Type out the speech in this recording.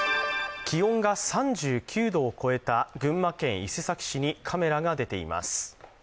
気温が３９度を超えた群馬県伊勢崎市にカメラが出ています。